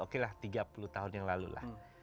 okelah tiga puluh tahun yang lalu lah